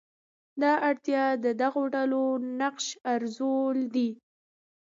دا اړتیا د دغو ډلو نقش ارزول دي.